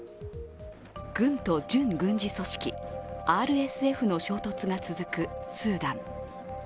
軍と準軍事組織ＲＳＦの衝突が続くスーダン。